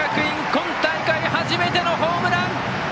今大会、初めてのホームラン！